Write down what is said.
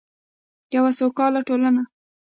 یوه سوکاله ټولنه.